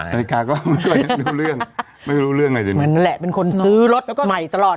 นาฬิกาก็ไม่ค่อยรู้เรื่องเหมือนคนซื้อรถใหม่ตลอด